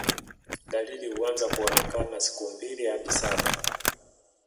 Dalili huanza kuonekana siku mbili hadi saba